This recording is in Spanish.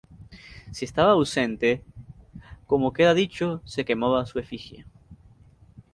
Si estaba ausente, como queda dicho, se quemaba su efigie.